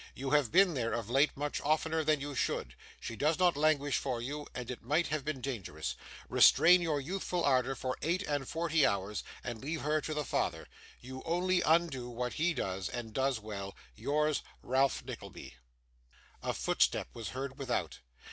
You have been there, of late, much oftener than you should. She does not languish for you, and it might have been dangerous. Restrain your youthful ardour for eight and forty hours, and leave her to the father. You only undo what he does, and does well. 'Yours, 'RALPH NICKLEBY.' A footstep was heard without.